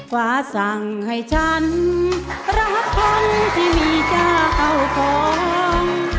ฟ้าสั่งให้ฉันรักคนที่มีเจ้าเข้าของ